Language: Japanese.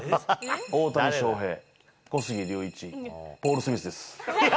大谷翔平、小杉竜一、ホール・スミスです。